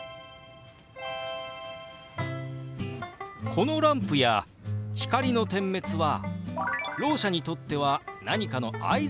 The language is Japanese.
このランプや光の点滅はろう者にとっては何かの合図になるんでしたね。